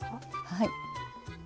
はい。